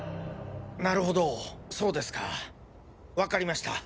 なるほどそうですかわかりました。